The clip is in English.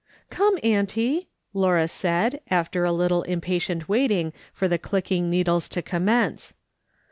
" Come, auntie," Laura said after a little impatient waiting for the clicking needles to commence.